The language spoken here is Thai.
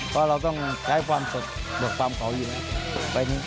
เพราะเราต้องใช้ความสดบวกความขอดี